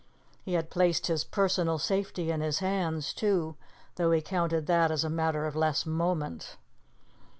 He had placed his personal safety in his hands, too, though he counted that as a matter of less moment.